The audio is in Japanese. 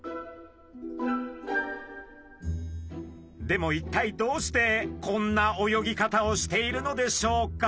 でも一体どうしてこんな泳ぎ方をしているのでしょうか？